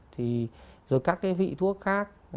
thì rồi các cái vị thuốc khác